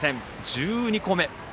１２個目。